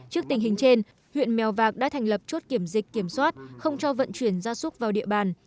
trước tình hình trên huyện mèo vạc đã thành lập chốt kiểm dịch kiểm soát không cho vận chuyển gia súc vào địa bàn